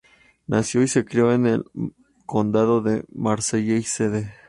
Nació y se crio en el condado de Merseyside.